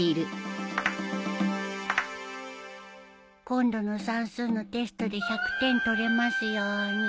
今度の算数のテストで１００点取れますように。